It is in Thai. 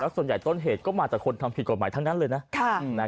ส่วนใหญ่ต้นเหตุก็มาจากคนทำผิดกฎหมายทั้งนั้นเลยนะ